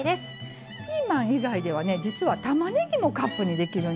ピーマン以外ではね実はたまねぎもカップにできるんですよ。